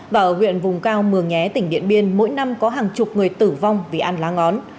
và ở huyện vùng cao mường nhé tỉnh điện biên mỗi năm có hàng chục người tử vong vì ăn lá ngón